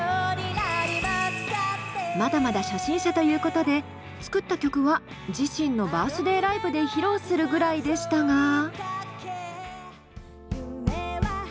まだまだ初心者ということで作った曲は自身のバースデーライブで披露するぐらいでしたが。